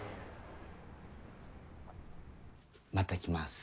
また来ます。